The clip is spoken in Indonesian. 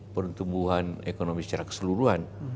pertumbuhan ekonomi secara keseluruhan